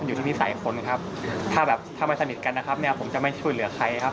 อยู่ที่นิสัยคนครับถ้าแบบถ้าไม่สนิทกันนะครับเนี่ยผมจะไม่ช่วยเหลือใครครับ